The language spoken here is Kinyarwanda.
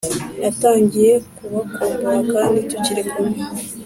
Natangiye kubakumbura kandi tukiri kumwe!